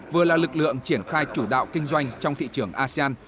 vừa là lực lượng triển khai chủ đạo kinh doanh trong thị trường asean